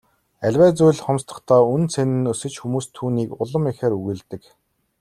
Аливаа зүйл хомсдохдоо үнэ цэн нь өсөж хүмүүс түүнийг улам ихээр үгүйлдэг.